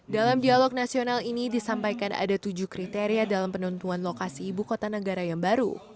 dalam dialog nasional ini disampaikan ada tujuh kriteria dalam penentuan lokasi ibu kota negara yang baru